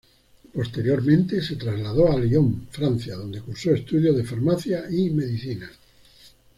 Posteriormente se trasladó a Lyon, Francia, donde cursó estudios de Farmacia y Medicina.